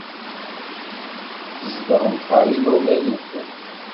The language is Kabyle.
Tzedɣemt ɣer yimawlan-nwent.